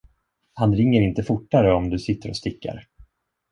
Han ringer inte fortare om du sitter och stickar.